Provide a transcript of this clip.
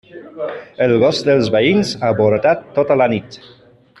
El gos dels veïns ha bordat tota la nit.